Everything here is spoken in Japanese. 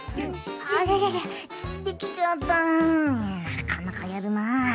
なかなかやるな。